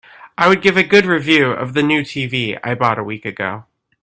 I would give a good review of the new TV I bought a week ago.